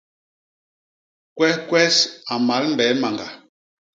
Kwehkwes a mal mbee mañga.